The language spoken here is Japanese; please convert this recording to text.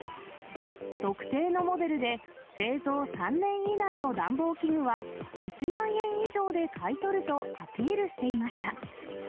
特定のモデルで、製造３年以内の暖房器具は、１万円以上で買い取るとアピールしていました。